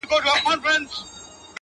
زما ونه له تا غواړي راته،